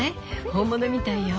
本物みたいよ。